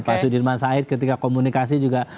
pak sudirman said ketika komunikasi juga